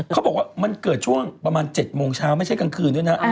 เขาบอกว่ามันเกิดช่วงประมาณ๗โมงเช้าไม่ใช่กลางคืนด้วยนะ